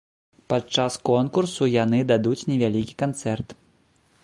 Падчас конкурсу яны дадуць невялікі канцэрт.